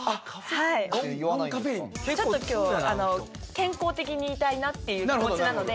ちょっと今日は健康的にいたいなっていう気持ちなので。